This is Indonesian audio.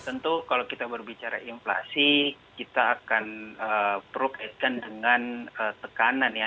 tentu kalau kita berbicara inflasi kita akan prokeskan dengan tekanan ya